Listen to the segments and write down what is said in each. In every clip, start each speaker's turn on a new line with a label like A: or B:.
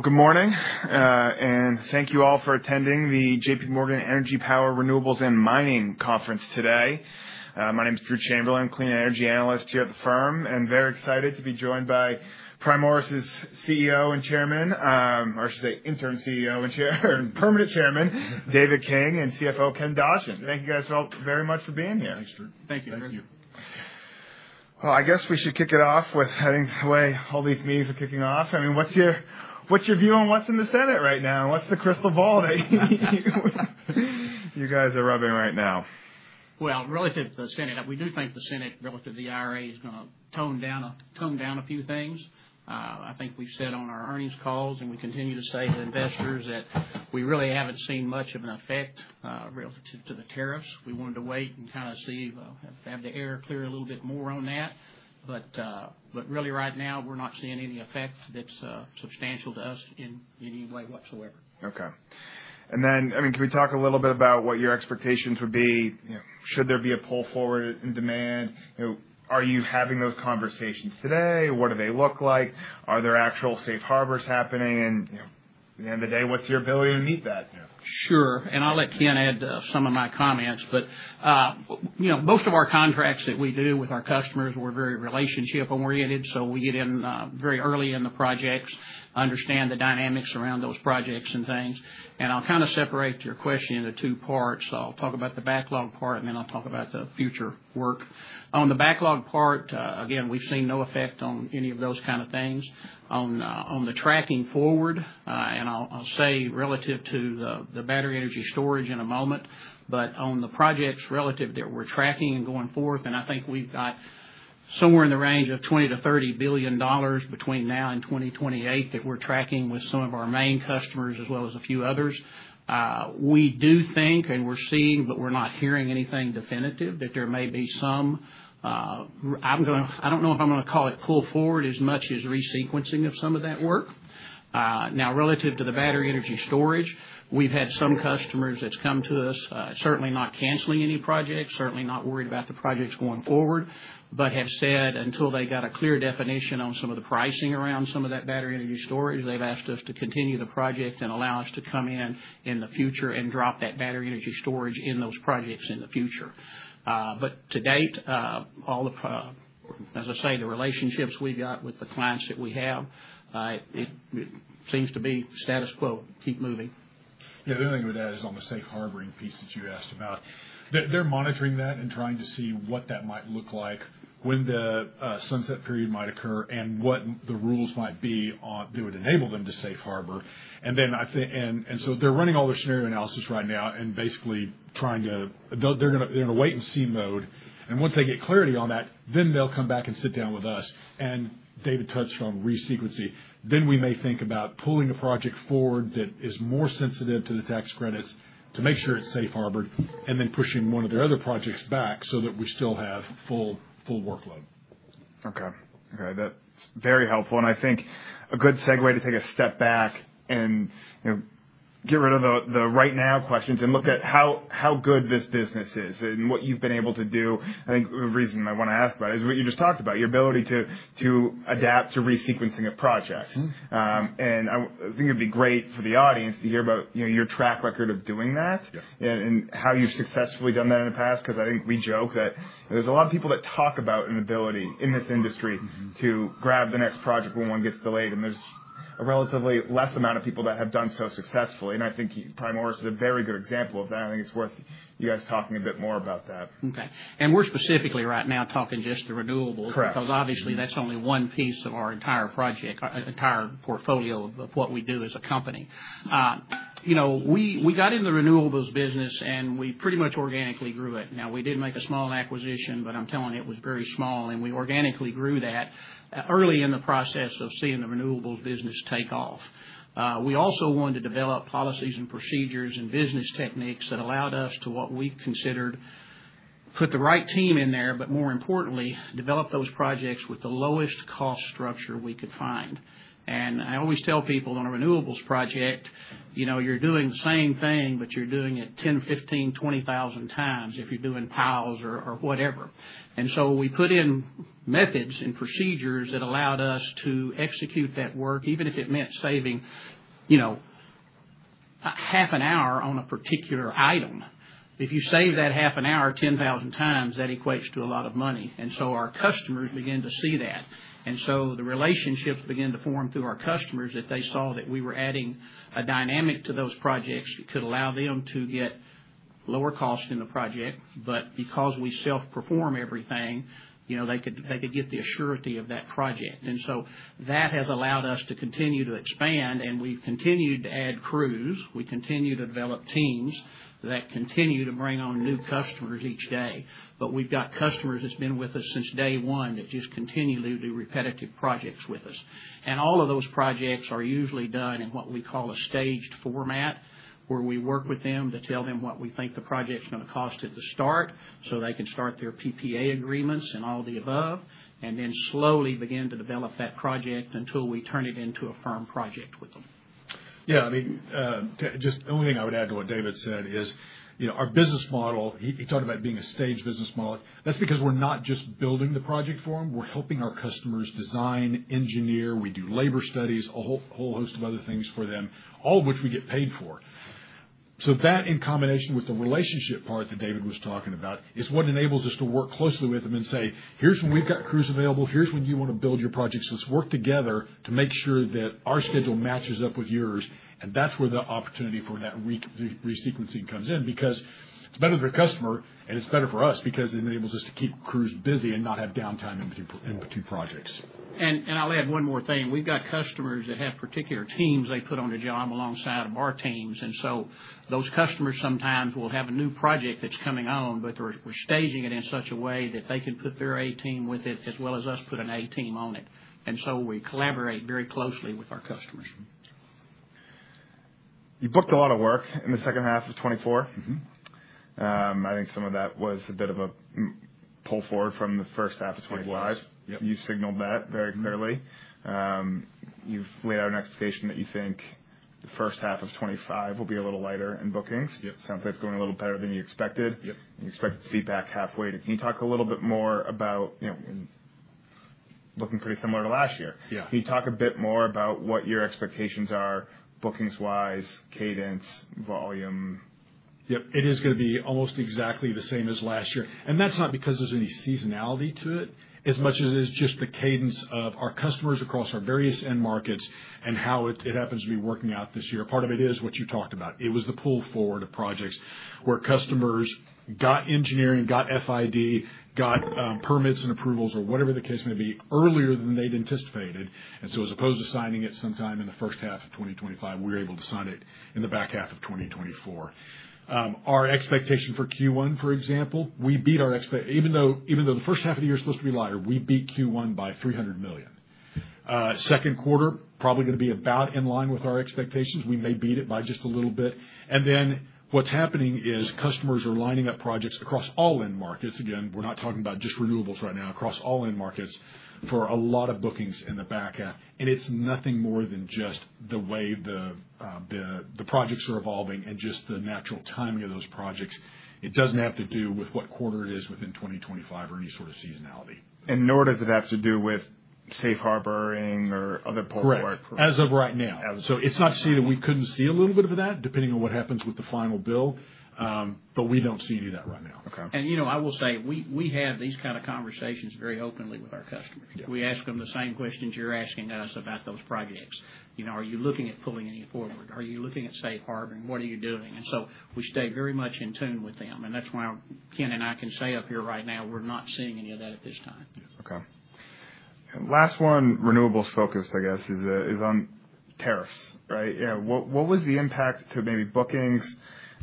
A: Good morning, and thank you all for attending the JPMorgan Energy Power Renewables and Mining Conference today. My name is Drew Chamberlain, Clean Energy Analyst here at the firm, and very excited to be joined by Primoris' CEO and chairman, or I should say, interim CEO and permanent Chairman, David King, and CFO Ken Dodgen. Thank you guys all very much for being here.
B: Thanks, Drew.
C: Thank you.
A: I guess we should kick it off with, I think, the way all these meetings are kicking off. I mean, what's your view on what's in the Senate right now? What's the crystal ball that you guys are rubbing right now?
C: Relative to the Senate, we do think the Senate, relative to the IRA, is going to tone down a few things. I think we've said on our earnings calls, and we continue to say to investors that we really haven't seen much of an effect relative to the tariffs. We wanted to wait and kind of see, have the air clear a little bit more on that. Really, right now, we're not seeing any effect that's substantial to us in any way whatsoever.
A: Okay. I mean, can we talk a little bit about what your expectations would be? Should there be a pull forward in demand? Are you having those conversations today? What do they look like? Are there actual safe harbors happening? At the end of the day, what's your ability to meet that?
C: Sure. I'll let Ken add some of my comments. Most of our contracts that we do with our customers are very relationship-oriented, so we get in very early in the projects, understand the dynamics around those projects and things. I'll kind of separate your question into two parts. I'll talk about the backlog part, and then I'll talk about the future work. On the backlog part, again, we've seen no effect on any of those kind of things. On the tracking forward, and I'll say relative to the battery energy storage in a moment, but on the projects relative that we're tracking and going forth, I think we've got somewhere in the range of $20 billion-$30 billion between now and 2028 that we're tracking with some of our main customers as well as a few others. We do think, and we're seeing, but we're not hearing anything definitive, that there may be some—I don't know if I'm going to call it pull forward as much as re-sequencing of some of that work. Now, relative to the battery energy storage, we've had some customers that have come to us, certainly not canceling any projects, certainly not worried about the projects going forward, but have said until they got a clear definition on some of the pricing around some of that battery energy storage, they've asked us to continue the project and allow us to come in in the future and drop that battery energy storage in those projects in the future. To date, as I say, the relationships we've got with the clients that we have, it seems to be status quo. Keep moving.
B: Yeah. The only thing I would add is on the safe harboring piece that you asked about. They are monitoring that and trying to see what that might look like, when the sunset period might occur, and what the rules might be that would enable them to safe harbor. They are running all their scenario analysis right now and basically trying to—they are in a wait-and-see mode. Once they get clarity on that, they will come back and sit down with us. David touched on re-sequencing. We may think about pulling a project forward that is more sensitive to the tax credits to make sure it is safe harbored, and then pushing one of their other projects back so that we still have full workload.
A: Okay. Okay. That's very helpful. I think a good segue to take a step back and get rid of the right-now questions and look at how good this business is and what you've been able to do. I think the reason I want to ask about it is what you just talked about, your ability to adapt to re-sequencing of projects. I think it'd be great for the audience to hear about your track record of doing that and how you've successfully done that in the past because I think we joke that there's a lot of people that talk about an ability in this industry to grab the next project when one gets delayed, and there's a relatively less amount of people that have done so successfully. I think Primoris is a very good example of that. I think it's worth you guys talking a bit more about that.
C: Okay. We're specifically right now talking just the renewables because obviously that's only one piece of our entire project, entire portfolio of what we do as a company. We got in the renewables business, and we pretty much organically grew it. Now, we did make a small acquisition, but I'm telling you, it was very small, and we organically grew that early in the process of seeing the renewables business take off. We also wanted to develop policies and procedures and business techniques that allowed us to, what we considered, put the right team in there, but more importantly, develop those projects with the lowest cost structure we could find. I always tell people on a renewables project, you're doing the same thing, but you're doing it 10, 15, 20 thousand times if you're doing piles or whatever. We put in methods and procedures that allowed us to execute that work, even if it meant saving half an hour on a particular item. If you save that half an hour 10,000 times, that equates to a lot of money. Our customers begin to see that. The relationships begin to form through our customers that they saw that we were adding a dynamic to those projects that could allow them to get lower cost in the project. Because we self-perform everything, they could get the assurity of that project. That has allowed us to continue to expand, and we've continued to add crews. We continue to develop teams that continue to bring on new customers each day. We've got customers that have been with us since day one that just continue to do repetitive projects with us. All of those projects are usually done in what we call a staged format where we work with them to tell them what we think the project's going to cost at the start so they can start their PPA agreements and all the above, and then slowly begin to develop that project until we turn it into a firm project with them.
B: Yeah. I mean, just the only thing I would add to what David said is our business model, he talked about being a staged business model. That's because we're not just building the project for them. We're helping our customers design, engineer. We do labor studies, a whole host of other things for them, all of which we get paid for. That, in combination with the relationship part that David was talking about, is what enables us to work closely with them and say, "Here's when we've got crews available. Here's when you want to build your projects. Let's work together to make sure that our schedule matches up with yours." That's where the opportunity for that re-sequencing comes in because it's better for the customer, and it's better for us because it enables us to keep crews busy and not have downtime in between projects.
C: I'll add one more thing. We've got customers that have particular teams they put on the job alongside our teams. Those customers sometimes will have a new project that's coming on, but we're staging it in such a way that they can put their A team with it as well as us put an A team on it. We collaborate very closely with our customers.
A: You booked a lot of work in the second half of 2024. I think some of that was a bit of a pull forward from the first half of 2025. You signaled that very clearly. You've laid out an expectation that you think the first half of 2025 will be a little lighter in bookings. Sounds like it's going a little better than you expected. You expected feedback halfway. Can you talk a little bit more about looking pretty similar to last year? Can you talk a bit more about what your expectations are, bookings-wise, cadence, volume?
B: Yep. It is going to be almost exactly the same as last year. That is not because there is any seasonality to it as much as it is just the cadence of our customers across our various end markets and how it happens to be working out this year. Part of it is what you talked about. It was the pull forward of projects where customers got engineering, got FID, got permits and approvals, or whatever the case may be, earlier than they had anticipated. As opposed to signing it sometime in the first half of 2025, we were able to sign it in the back half of 2024. Our expectation for Q1, for example, we beat our expectation even though the first half of the year is supposed to be lighter, we beat Q1 by $300 million. Second quarter, probably going to be about in line with our expectations. We may beat it by just a little bit. What's happening is customers are lining up projects across all end markets. Again, we're not talking about just renewables right now, across all end markets for a lot of bookings in the back half. It's nothing more than just the way the projects are evolving and just the natural timing of those projects. It doesn't have to do with what quarter it is within 2025 or any sort of seasonality.
A: Nor does it have to do with safe harboring or other pull forward.
B: Correct. As of right now. It is not to say that we could not see a little bit of that, depending on what happens with the final bill, but we do not see any of that right now.
C: We have these kind of conversations very openly with our customers. We ask them the same questions you're asking us about those projects. Are you looking at pulling any forward? Are you looking at safe harboring? What are you doing? We stay very much in tune with them. That is why Ken and I can say up here right now, we're not seeing any of that at this time.
A: Okay. Last one, renewables focused, I guess, is on tariffs, right? What was the impact to maybe bookings,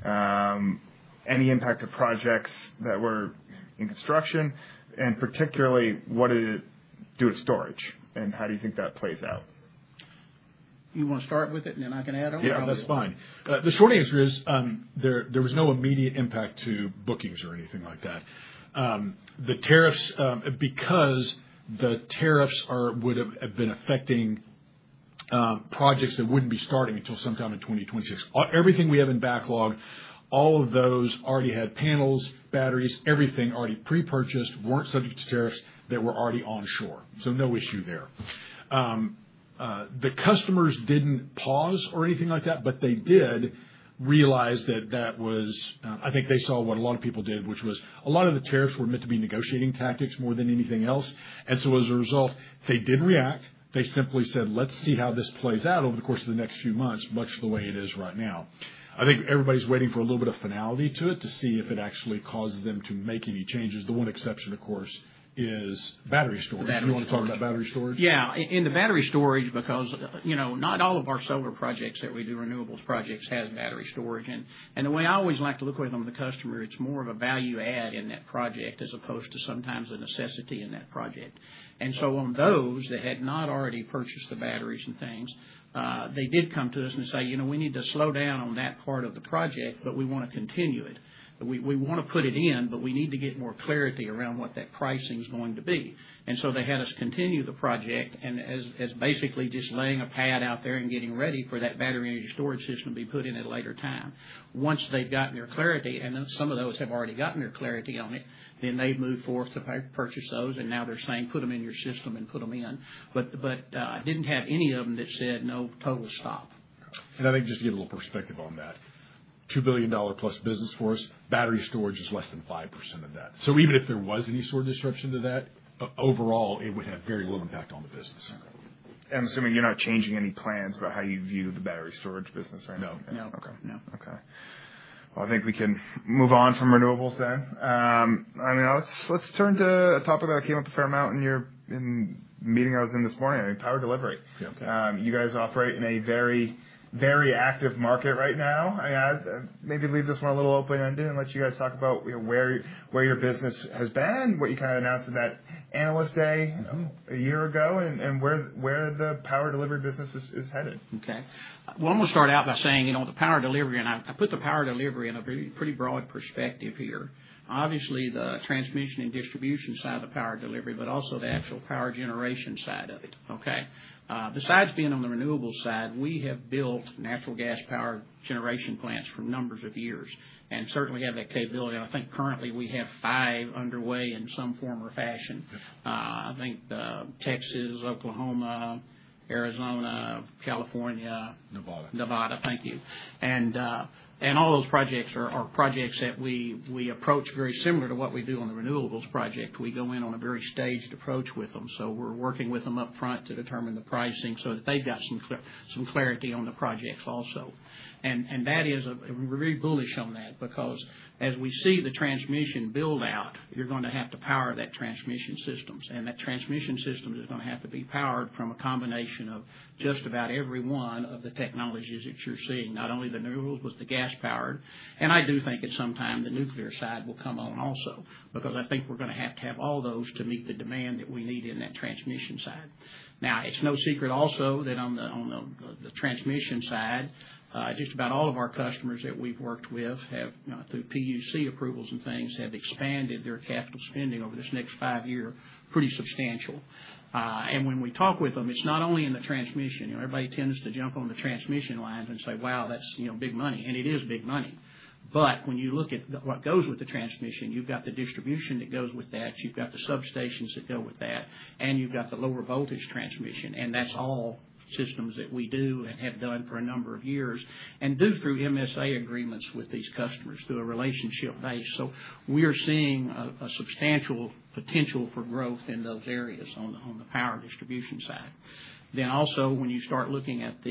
A: any impact to projects that were in construction, and particularly, what did it do to storage, and how do you think that plays out?
C: You want to start with it, and then I can add on?
B: Yeah, that's fine. The short answer is there was no immediate impact to bookings or anything like that. The tariffs, because the tariffs would have been affecting projects that would not be starting until sometime in 2026. Everything we have in backlog, all of those already had panels, batteries, everything already pre-purchased, were not subject to tariffs. They were already on shore. No issue there. The customers did not pause or anything like that, but they did realize that that was, I think they saw what a lot of people did, which was a lot of the tariffs were meant to be negotiating tactics more than anything else. As a result, they did react. They simply said, "Let's see how this plays out over the course of the next few months," much the way it is right now. I think everybody's waiting for a little bit of finality to it to see if it actually causes them to make any changes. The one exception, of course, is battery storage. Do you want to talk about battery storage?
C: Yeah. In the battery storage, because not all of our solar projects that we do, renewables projects, have battery storage. The way I always like to look at them with the customer, it's more of a value add in that project as opposed to sometimes a necessity in that project. On those that had not already purchased the batteries and things, they did come to us and say, "We need to slow down on that part of the project, but we want to continue it. We want to put it in, but we need to get more clarity around what that pricing is going to be." They had us continue the project and as basically just laying a pad out there and getting ready for that battery energy storage system to be put in at a later time. Once they've gotten their clarity, and some of those have already gotten their clarity on it, then they've moved forward to purchase those, and now they're saying, "Put them in your system and put them in." I didn't have any of them that said, "No, total stop."
B: I think just to give a little perspective on that, $2 billion plus business for us, battery storage is less than 5% of that. Even if there was any sort of disruption to that, overall, it would have very little impact on the business.
A: Okay. I'm assuming you're not changing any plans about how you view the battery storage business right now?
C: No. No. No.
A: Okay. Okay. I think we can move on from renewables then. I mean, let's turn to a topic that came up a fair amount in the meeting I was in this morning. I mean, power delivery. You guys operate in a very, very active market right now. I maybe leave this one a little open-ended and let you guys talk about where your business has been, what you kind of announced at that analyst day a year ago, and where the power delivery business is headed.
C: Okay. I am going to start out by saying the power delivery, and I put the power delivery in a pretty broad perspective here. Obviously, the transmission and distribution side of the power delivery, but also the actual power generation side of it. Okay? Besides being on the renewables side, we have built natural gas power generation plants for numbers of years and certainly have that capability. I think currently we have five underway in some form or fashion. I think Texas, Oklahoma, Arizona, California.
B: Nevada.
C: Nevada. Thank you. All those projects are projects that we approach very similar to what we do on the renewables project. We go in on a very staged approach with them. We are working with them upfront to determine the pricing so that they have some clarity on the projects also. That is very bullish on that because as we see the transmission build-out, you are going to have to power that transmission systems. That transmission system is going to have to be powered from a combination of just about every one of the technologies that you are seeing, not only the renewables with the gas powered. I do think at some time the nuclear side will come on also because I think we are going to have to have all those to meet the demand that we need in that transmission side. Now, it's no secret also that on the transmission side, just about all of our customers that we've worked with through PUC approvals and things have expanded their capital spending over this next five years pretty substantial. When we talk with them, it's not only in the transmission. Everybody tends to jump on the transmission lines and say, "Wow, that's big money." It is big money. When you look at what goes with the transmission, you've got the distribution that goes with that. You've got the substations that go with that, and you've got the lower voltage transmission. That's all systems that we do and have done for a number of years and do through MSA agreements with these customers through a relationship base. We are seeing a substantial potential for growth in those areas on the power distribution side. When you start looking at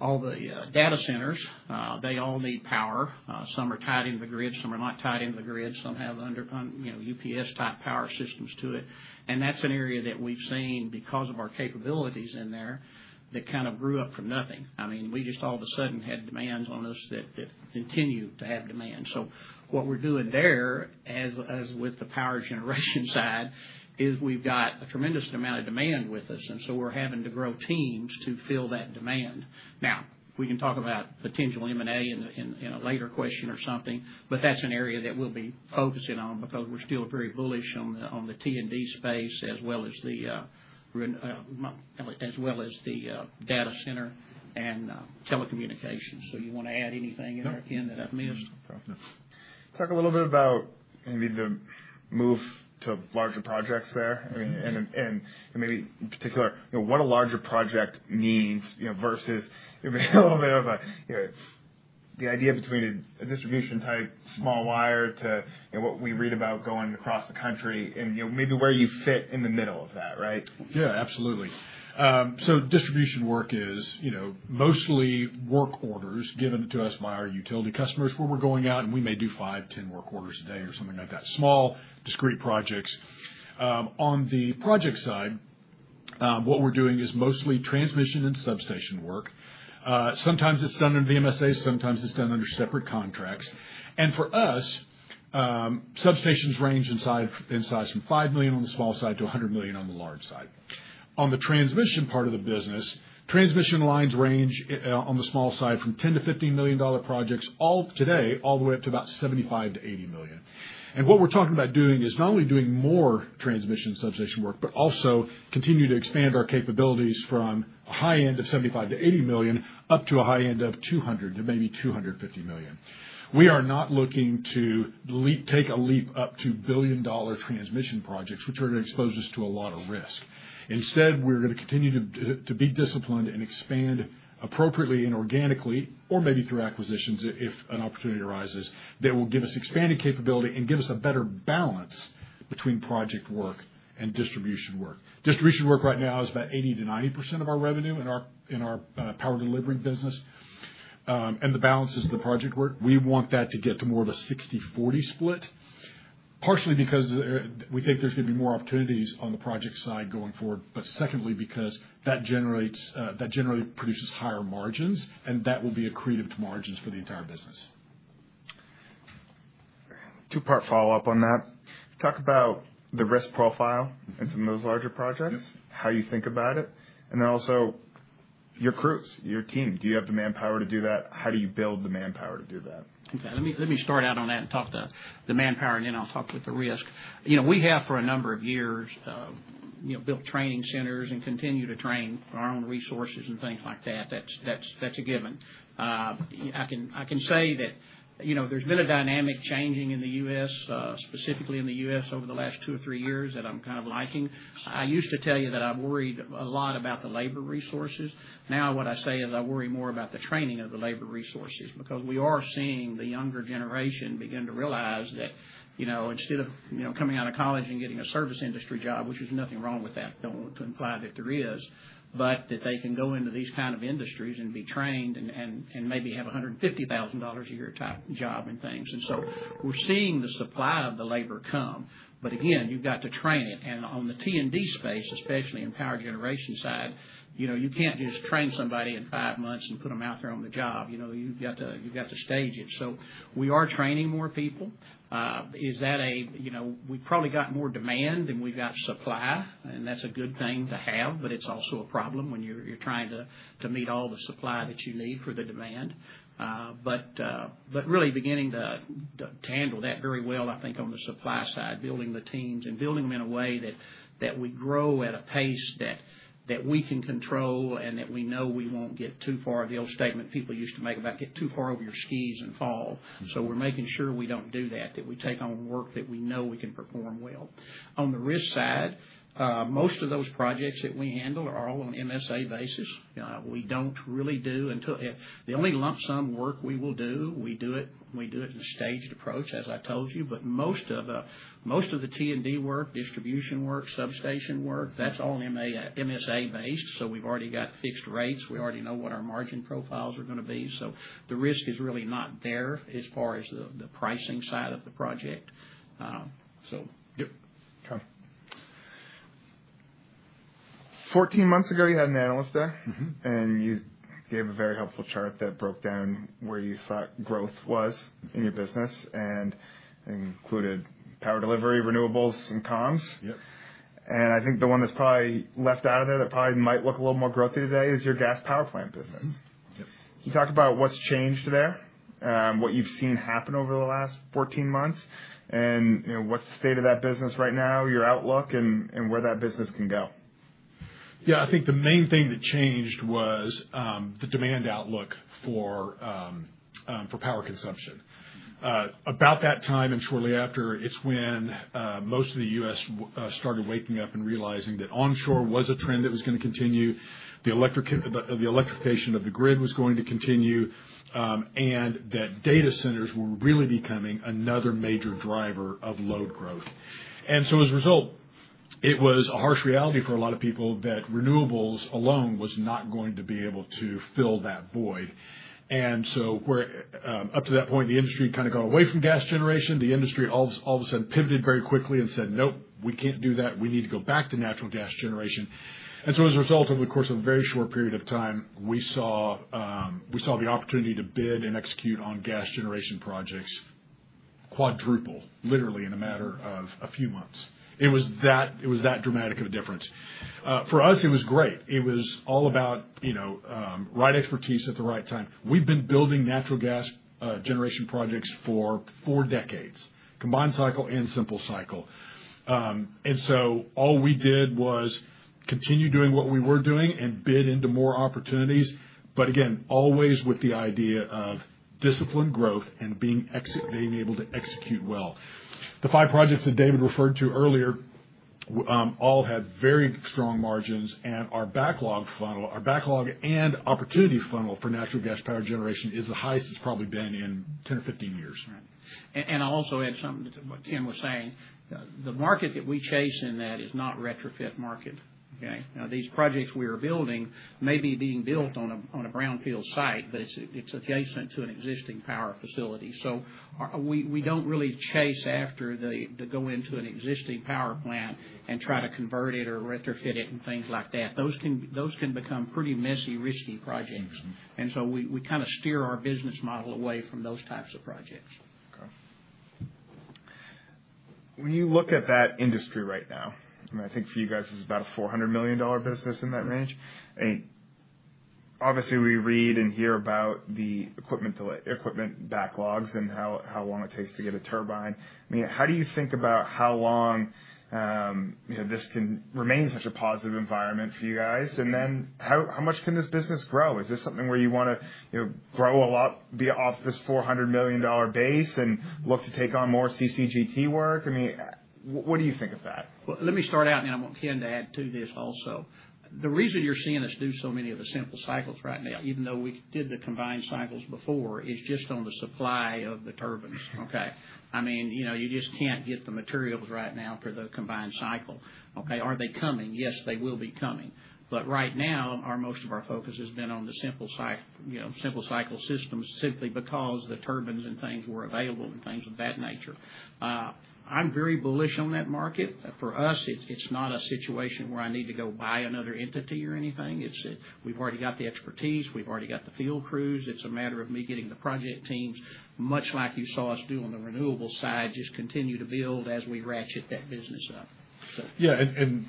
C: all the data centers, they all need power. Some are tied into the grid. Some are not tied into the grid. Some have UPS-type power systems to it. That is an area that we have seen because of our capabilities in there that kind of grew up from nothing. I mean, we just all of a sudden had demands on us that continue to have demand. What we are doing there, as with the power generation side, is we have got a tremendous amount of demand with us. We are having to grow teams to fill that demand. We can talk about potential M&A in a later question or something, but that is an area that we will be focusing on because we are still very bullish on the T&D space as well as the data center and telecommunications. Do you want to add anything in there again that I've missed?
A: Talk a little bit about, I mean, the move to larger projects there. I mean, and maybe in particular, what a larger project means versus a little bit of the idea between a distribution type, small wire to what we read about going across the country and maybe where you fit in the middle of that, right?
B: Yeah, absolutely. Distribution work is mostly work orders given to us by our utility customers where we're going out, and we may do 5, 10 work orders a day or something like that. Small, discreet projects. On the project side, what we're doing is mostly transmission and substation work. Sometimes it's done under the MSAs. Sometimes it's done under separate contracts. For us, substations range in size from $5 million on the small side to $100 million on the large side. On the transmission part of the business, transmission lines range on the small side from $10 million-$15 million projects today all the way up to about $75 million-$80 million. What we're talking about doing is not only doing more transmission substation work, but also continue to expand our capabilities from a high end of $75 million-$80 million up to a high end of $200 million to maybe $250 million. We are not looking to take a leap up to billion-dollar transmission projects, which are going to expose us to a lot of risk. Instead, we're going to continue to be disciplined and expand appropriately and organically, or maybe through acquisitions if an opportunity arises, that will give us expanded capability and give us a better balance between project work and distribution work. Distribution work right now is about 80%-90% of our revenue in our power delivery business. The balance is the project work. We want that to get to more of a 60/40 split, partially because we think there's going to be more opportunities on the project side going forward, but secondly because that generally produces higher margins, and that will be accretive to margins for the entire business.
A: Two-part follow-up on that. Talk about the risk profile in some of those larger projects, how you think about it, and then also your crews, your team. Do you have the manpower to do that? How do you build the manpower to do that?
C: Okay. Let me start out on that and talk to the manpower, and then I'll talk with the risk. We have, for a number of years, built training centers and continue to train our own resources and things like that. That's a given. I can say that there's been a dynamic changing in the U.S., specifically in the U.S., over the last two or three years that I'm kind of liking. I used to tell you that I worried a lot about the labor resources. Now, what I say is I worry more about the training of the labor resources because we are seeing the younger generation begin to realize that instead of coming out of college and getting a service industry job, which is nothing wrong with that, do not want to imply that there is, but that they can go into these kind of industries and be trained and maybe have a $150,000 a year type job and things. We are seeing the supply of the labor come. Again, you have got to train it. In the T&D space, especially in power generation side, you cannot just train somebody in five months and put them out there on the job. You have got to stage it. We are training more people. Is that a we've probably got more demand than we've got supply, and that's a good thing to have, but it's also a problem when you're trying to meet all the supply that you need for the demand. Really beginning to handle that very well, I think, on the supply side, building the teams and building them in a way that we grow at a pace that we can control and that we know we won't get too far. The old statement people used to make about, "Get too far over your skis and fall." We are making sure we don't do that, that we take on work that we know we can perform well. On the risk side, most of those projects that we handle are all on MSA basis. We do not really do, the only lump sum work we will do, we do it in a staged approach, as I told you, but most of the T&D work, distribution work, substation work, that is all MSA based. We have already got fixed rates. We already know what our margin profiles are going to be. The risk is really not there as far as the pricing side of the project.
A: Okay. Fourteen months ago, you had an analyst there, and you gave a very helpful chart that broke down where you thought growth was in your business and included power delivery, renewables, and comms. I think the one that's probably left out of there that probably might look a little more growthy today is your gas power plant business. Can you talk about what's changed there, what you've seen happen over the last fourteen months, and what's the state of that business right now, your outlook, and where that business can go?
B: Yeah. I think the main thing that changed was the demand outlook for power consumption. About that time and shortly after, it's when most of the U.S. started waking up and realizing that onshore was a trend that was going to continue, the electrification of the grid was going to continue, and that data centers were really becoming another major driver of load growth. As a result, it was a harsh reality for a lot of people that renewables alone was not going to be able to fill that void. Up to that point, the industry kind of got away from gas generation. The industry all of a sudden pivoted very quickly and said, "Nope, we can't do that. We need to go back to natural gas generation. As a result of, of course, a very short period of time, we saw the opportunity to bid and execute on gas generation projects quadruple, literally in a matter of a few months. It was that dramatic of a difference. For us, it was great. It was all about right expertise at the right time. We've been building natural gas generation projects for four decades, combined cycle and simple cycle. All we did was continue doing what we were doing and bid into more opportunities, but again, always with the idea of disciplined growth and being able to execute well. The five projects that David referred to earlier all had very strong margins, and our backlog and opportunity funnel for natural gas power generation is the highest it's probably been in 10 or 15 years.
C: Right. I'll also add something to what Ken was saying. The market that we chase in that is not retrofit market. Okay? Now, these projects we are building may be being built on a brownfield site, but it's adjacent to an existing power facility. We don't really chase after the go into an existing power plant and try to convert it or retrofit it and things like that. Those can become pretty messy, risky projects. We kind of steer our business model away from those types of projects.
A: Okay. When you look at that industry right now, I mean, I think for you guys it's about a $400 million business in that range. Obviously, we read and hear about the equipment backlogs and how long it takes to get a turbine. I mean, how do you think about how long this can remain such a positive environment for you guys? And then how much can this business grow? Is this something where you want to grow a lot, be off this $400 million base and look to take on more CCGT work? I mean, what do you think of that?
C: Let me start out, and I want Ken to add to this also. The reason you're seeing us do so many of the simple cycles right now, even though we did the combined cycles before, is just on the supply of the turbines. Okay? I mean, you just can't get the materials right now for the combined cycle. Okay? Are they coming? Yes, they will be coming. Right now, most of our focus has been on the simple cycle systems simply because the turbines and things were available and things of that nature. I'm very bullish on that market. For us, it's not a situation where I need to go buy another entity or anything. We've already got the expertise. We've already got the field crews. It's a matter of me getting the project teams, much like you saw us do on the renewable side, just continue to build as we ratchet that business up.
B: Yeah.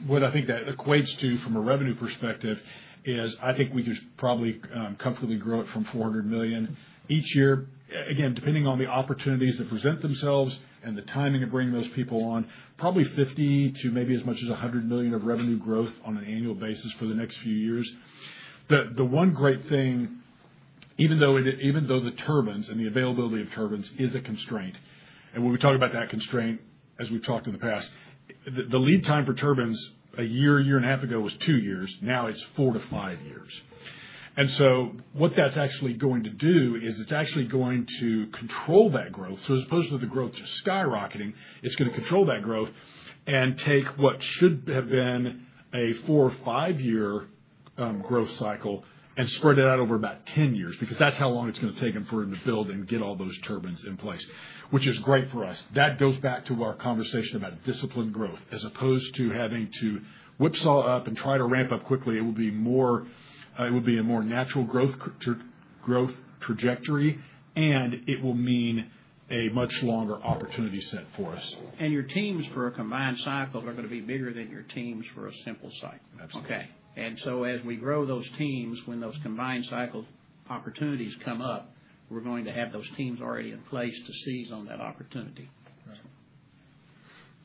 B: What I think that equates to from a revenue perspective is I think we could probably comfortably grow it from $400 million each year. Again, depending on the opportunities that present themselves and the timing of bringing those people on, probably $50 million to maybe as much as $100 million of revenue growth on an annual basis for the next few years. The one great thing, even though the turbines and the availability of turbines is a constraint, and when we talk about that constraint, as we have talked in the past, the lead time for turbines a year, year and a half ago was two years. Now it is four to five years. What that is actually going to do is it is actually going to control that growth. As opposed to the growth just skyrocketing, it is going to control that growth and take what should have been a four or five-year growth cycle and spread it out over about 10 years because that is how long it is going to take them to build and get all those turbines in place, which is great for us. That goes back to our conversation about disciplined growth. As opposed to having to whip saw up and try to ramp up quickly, it will be a more natural growth trajectory, and it will mean a much longer opportunity set for us.
C: Your teams for a combined cycle are going to be bigger than your teams for a simple cycle. Okay? As we grow those teams, when those combined cycle opportunities come up, we are going to have those teams already in place to seize on that opportunity.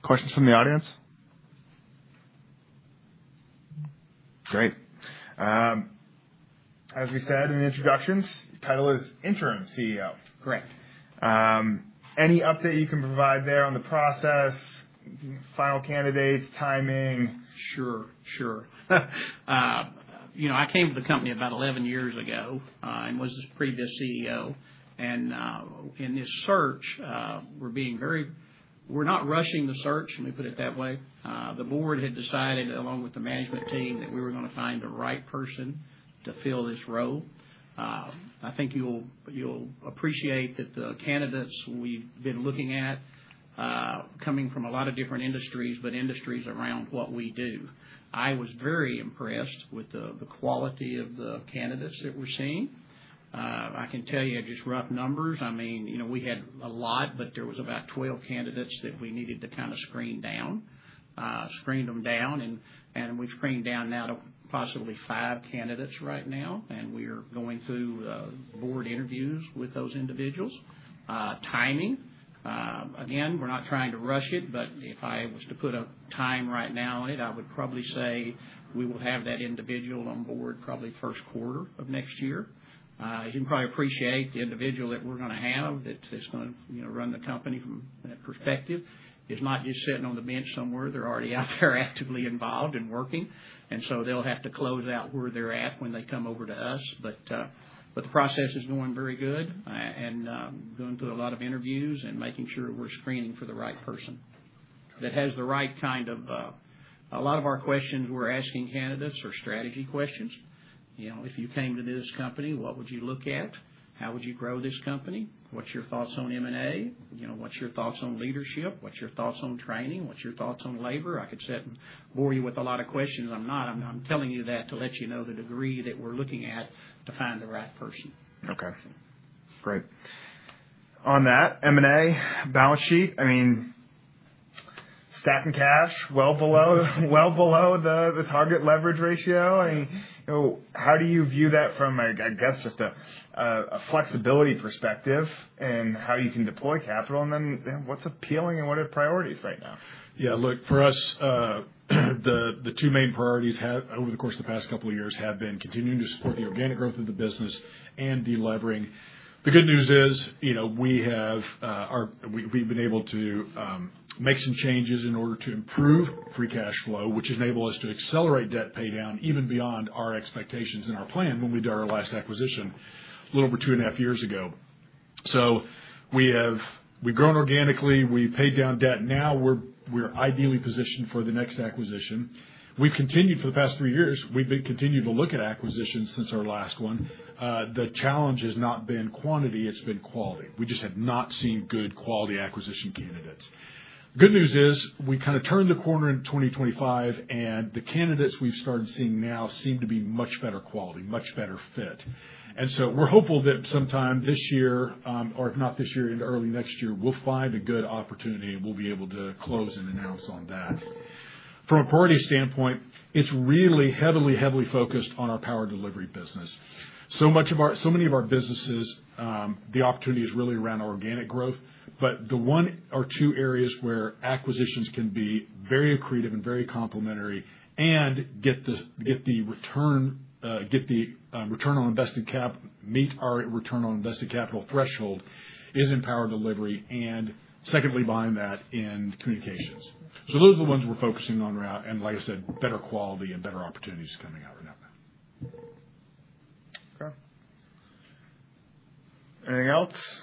A: Questions from the audience? Great. As we said in the introductions, title is Interim CEO.
C: Correct.
A: Any update you can provide there on the process, final candidates, timing?
C: Sure. I came to the company about 11 years ago and was the previous CEO. In this search, we're being very, we're not rushing the search, let me put it that way. The board had decided, along with the management team, that we were going to find the right person to fill this role. I think you'll appreciate that the candidates we've been looking at are coming from a lot of different industries, but industries around what we do. I was very impressed with the quality of the candidates that we're seeing. I can tell you just rough numbers. I mean, we had a lot, but there were about 12 candidates that we needed to kind of screen down. We've screened down now to possibly five candidates right now, and we are going through board interviews with those individuals. Timing. Again, we're not trying to rush it, but if I was to put a time right now on it, I would probably say we will have that individual on board probably first quarter of next year. You can probably appreciate the individual that we're going to have that's going to run the company from that perspective. It's not just sitting on the bench somewhere. They're already out there actively involved and working. They will have to close out where they're at when they come over to us. The process is going very good and going through a lot of interviews and making sure we're screening for the right person that has the right kind of a lot of our questions we're asking candidates are strategy questions. If you came to this company, what would you look at? How would you grow this company? What's your thoughts on M&A? What's your thoughts on leadership? What's your thoughts on training? What's your thoughts on labor? I could sit and bore you with a lot of questions. I'm not. I'm telling you that to let you know the degree that we're looking at to find the right person.
A: Okay. Great. On that M&A balance sheet, I mean, stacking cash well below the target leverage ratio. I mean, how do you view that from, I guess, just a flexibility perspective and how you can deploy capital? And then what's appealing and what are the priorities right now?
B: Yeah. Look, for us, the two main priorities over the course of the past couple of years have been continuing to support the organic growth of the business and delivering. The good news is we have been able to make some changes in order to improve free cash flow, which enables us to accelerate debt paydown even beyond our expectations and our plan when we did our last acquisition a little over two and a half years ago. So we have grown organically. We have paid down debt. Now we are ideally positioned for the next acquisition. For the past three years, we have continued to look at acquisitions since our last one. The challenge has not been quantity. It has been quality. We just have not seen good quality acquisition candidates. The good news is we kind of turned the corner in 2025, and the candidates we've started seeing now seem to be much better quality, much better fit. We are hopeful that sometime this year, or if not this year, into early next year, we'll find a good opportunity and we'll be able to close and announce on that. From a priority standpoint, it's really heavily, heavily focused on our power delivery business. So many of our businesses, the opportunity is really around organic growth, but the one or two areas where acquisitions can be very accretive and very complementary and get the return on invested capital, meet our return on invested capital threshold, is in power delivery and secondly buying that in communications. Those are the ones we're focusing on right now. Like I said, better quality and better opportunities coming out right now.
A: Okay. Anything else? If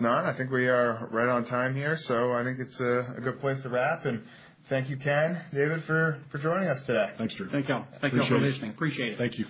A: not, I think we are right on time here. I think it's a good place to wrap. Thank you, Ken, David, for joining us today.
B: Thanks, Drew.
C: Thank y'all. Thank y'all for listening. Appreciate it.
A: Thank you.